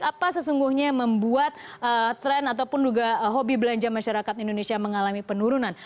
apa sesungguhnya yang membuat tren ataupun juga hobi belanja masyarakat indonesia mengalami penurunan